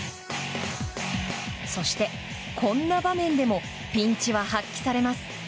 そして、こんな場面でもピンチは発揮されます。